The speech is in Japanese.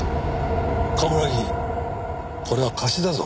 冠城これは貸しだぞ。